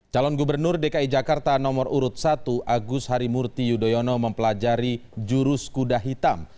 calon gubernur dki jakarta nomor urut satu agus harimurti yudhoyono mempelajari jurus kuda hitam